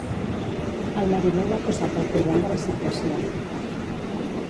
El mariner m'ha posat al corrent de la situació.